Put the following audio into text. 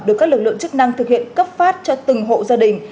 được các lực lượng chức năng thực hiện cấp phát cho từng hộ gia đình